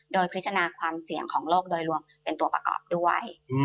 โดยพิจารณาความเสี่ยงของโลกโดยรวมเป็นตัวประกอบด้วย